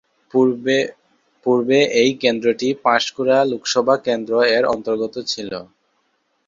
পূর্বে এই কেন্দ্রটি পাঁশকুড়া লোকসভা কেন্দ্র এর অন্তর্গত ছিল।